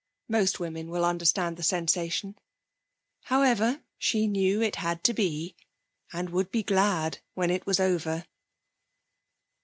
Most women will understand the sensation. However, she knew it had to be, and would be glad when it was over.